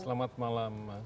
selamat malam mas